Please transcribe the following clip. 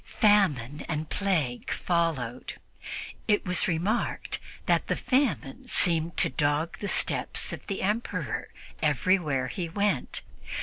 Famine and plague followed, and it was remarked that the famine seemed to dog the steps of the Emperor wherever he went.